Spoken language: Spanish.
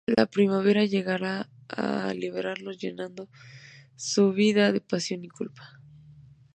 La primavera llegará a liberarlos, llenando sus vidas de pasión y culpa.